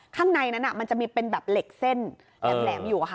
ข้างในนั้นมันจะมีเป็นแบบเหล็กเส้นแหลมอยู่ค่ะ